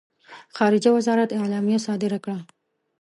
خارجه وزارت اعلامیه صادره کړه.